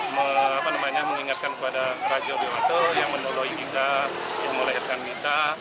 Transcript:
mengingatkan kepada raja odewate yang menolohi kita yang melehatkan kita